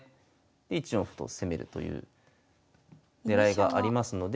１四歩と攻めるというねらいがありますので。